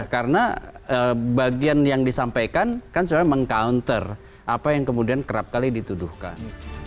karena bagian yang disampaikan kan sebenarnya meng counter apa yang kemudian kerap kali dituduhkan